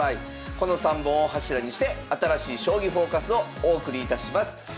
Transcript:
この３本を柱にして新しい「将棋フォーカス」をお送りいたします。